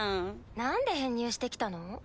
なんで編入してきたの？